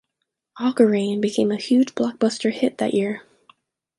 "Oggarane" became a huge blockbuster hit that year.